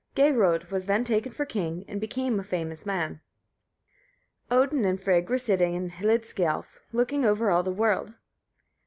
Geirröd was then taken for king, and became a famous man. Odin and Frigg were sitting in Hlidskiâlf, looking over all the world.